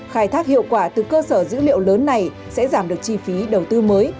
khai thác hiệu quả từ cơ sở dữ liệu lớn này sẽ giảm được chi phí đầu tư mới